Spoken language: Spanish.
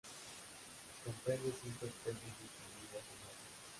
Comprende cinco especies distribuidas en Brasil.